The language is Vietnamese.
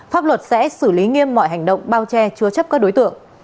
pháp luật sẽ xử lý nghiêm mọi hành động bao che chứa chấp các đối tượng